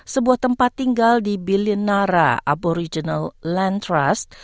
sebuah tempat tinggal di billinara aboriginal land trust